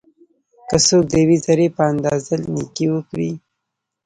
که څوک د یوې ذري په اندازه نيکي وکړي؛